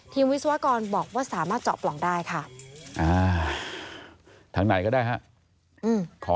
วิศวกรบอกว่าสามารถเจาะปล่องได้ค่ะทางไหนก็ได้ฮะ